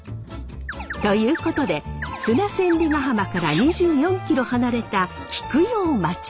ということで砂千里ヶ浜から２４キロ離れたうわ。